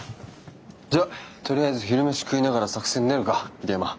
じゃあとりあえず昼飯食いながら作戦練るか桐山。